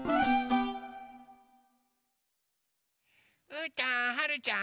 うーたんはるちゃん